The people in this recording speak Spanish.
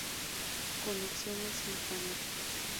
Conexiones intranet.